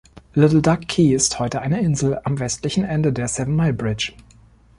Little Duck Key ist heute eine Insel am westlichen Ende der Seven Mile Bridge.